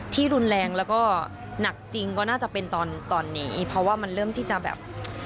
ที่รุนแรงแล้วก็หนักจริงก็น่าจะเป็นตอนตอนนี้เพราะว่ามันเริ่มที่จะแบบ